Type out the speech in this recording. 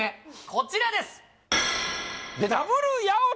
こちらです